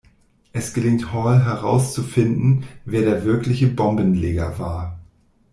Es gelingt Hall herauszufinden, wer der wirkliche Bombenleger war.